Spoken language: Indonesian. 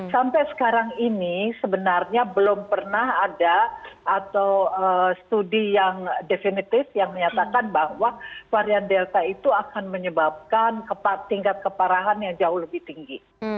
sampai sekarang ini sebenarnya belum pernah ada atau studi yang definitif yang menyatakan bahwa varian delta itu akan menyebabkan tingkat keparahan yang jauh lebih tinggi